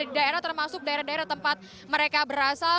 di daerah termasuk daerah daerah tempat mereka berasal